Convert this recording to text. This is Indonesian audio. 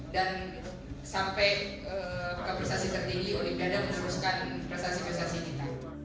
dan sampai ke prestasi tertinggi oleh bdn meneruskan prestasi prestasi kita